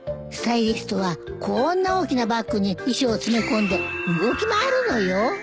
スタイリストはこーんな大きなバッグに衣装を詰め込んで動き回るのよ。